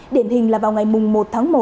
điển hình là vào ngày một tháng một